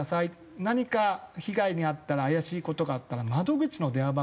「何か被害に遭ったら怪しい事があったら窓口の電話番号